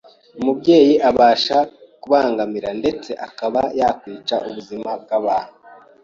umubyeyi abasha “kubangamira ndetse akaba yakwica ubuzima bw’abantu